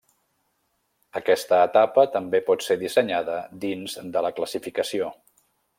Aquesta etapa també pot ser dissenyada dins de la classificació.